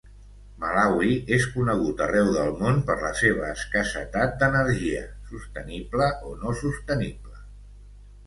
Malawi és conegut arreu del món per la seva escassetat d'energia, sostenible o no sostenible.